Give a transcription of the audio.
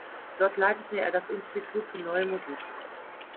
Dort leitete er das Institut für Neue Musik.